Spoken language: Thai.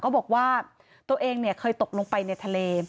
บอกว่าตัวเองเคยตกลงไปในทะเล